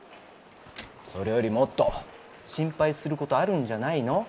それよりもっと心配することあるんじゃないの？